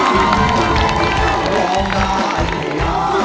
สุดสุด